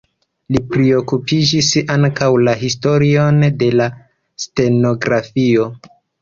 Li priokupiĝis ankaŭ la historion de la stenografio.